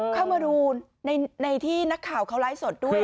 เข้ามาดูในที่นักข่าวเขาไลฟ์สดด้วย